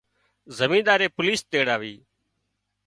زميندائي پوليش تيڙاوي